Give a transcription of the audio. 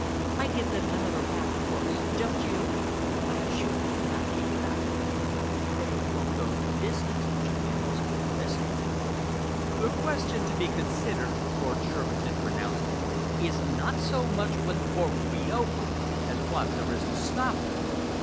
I give them another half course, don't you? I am sure they cannot keep it up." "They won't go the distance," Julian whispered. "Listen." "The question to be considered," Lord Shervinton pronounced, "is not so much when the war will be over as what there is to stop it?